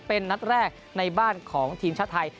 เป็นนัดแรกในบ้านของทีมชาติไทย